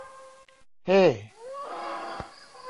เฮ้